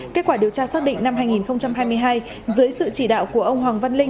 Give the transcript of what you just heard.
kết quả điều tra xác định năm hai nghìn hai mươi hai dưới sự chỉ đạo của ông hoàng văn linh